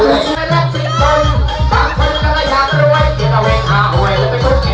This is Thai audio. ก่อนที่นี่ข้างหน้าของเราขึ้นไปก็มันมีแต่ก่อนเสร็จ